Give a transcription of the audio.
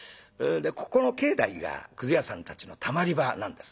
ここの境内がくず屋さんたちのたまり場なんですな。